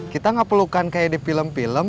kita gak pelukan kayak di film film